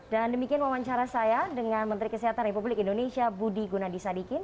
dan demikian wawancara saya dengan menteri kesehatan republik indonesia budi gunadisadikin